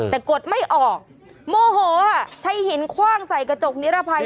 แต่กดไม่ออกโมโหใช้หินคว่างใส่กระจกนิรภัย